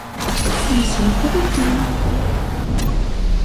La shetrifen!